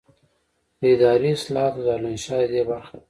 د اداري اصلاحاتو دارالانشا ددې برخه ده.